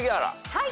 はい。